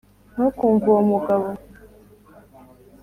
ntukumve uwo mugabo